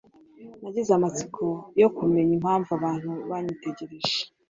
Nagize amatsiko yo kumenya impamvu abantu banyitegereje.